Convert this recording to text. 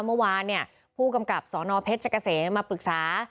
เมื่อวานเนี่ยผู้กำกับสนเพชรเกษมมาปรึกษา